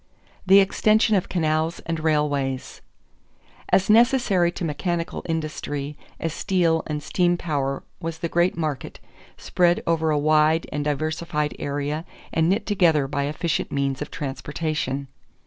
=The Extension of Canals and Railways.= As necessary to mechanical industry as steel and steam power was the great market, spread over a wide and diversified area and knit together by efficient means of transportation.